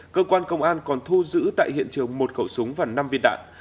công an còn thu giữ tại hiện trường một khẩu súng và năm viên đạn